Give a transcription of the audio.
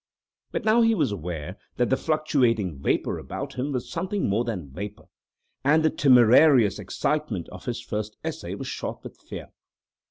But now he was aware that the fluctuating vapour about him was something more than vapour, and the temerarious excitement of his first essay was shot with fear.